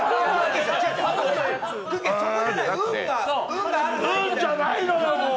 運じゃないのよ、もう！